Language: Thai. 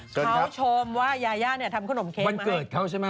เขาชมว่ายาเย้ทำขนมเค้กวันเกิดเขาใช่มะ